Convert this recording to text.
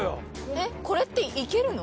えっこれって行けるの？